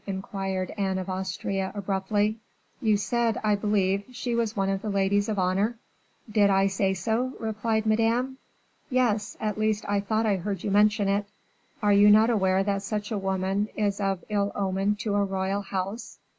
inquired Anne of Austria abruptly. "You said, I believe, she was one of the ladies of honor?" "Did I say so?" replied Madame. "Yes; at least I thought I heard you mention it." "Are you not aware that such a woman is of ill omen to a royal house?"